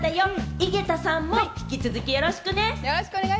井桁さんも引き続き、よろしくね！